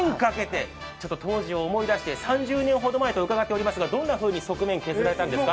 当時を思い出して、３０年ほど前と伺ってますがどんなふうに側面を削られたんですか？